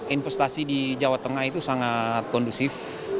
investasi di jawa tengah itu sangat kondusif